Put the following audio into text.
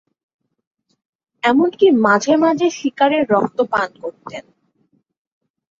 এমনকি মাঝে মাঝে শিকারের রক্ত পান করতেন।